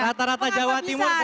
rata rata jawa timur